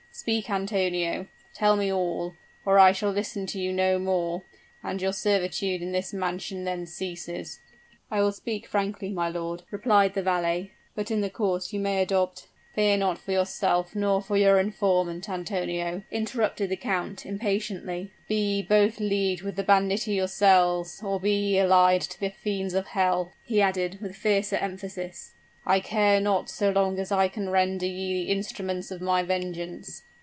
Speak, Antonio tell me all, or I shall listen to you no more, and your servitude in this mansion then ceases." "I will speak frankly, my lord," replied the valet; "but in the course you may adopt " "Fear not for yourself, nor for your informant, Antonio," interrupted the count, impatiently. "Be ye both leagued with the banditti yourselves, or be ye allied to the fiends of hell," he added, with fiercer emphasis, "I care not so long as I can render ye the instruments of my vengeance!"